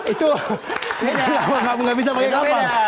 itu gak bisa pake kapal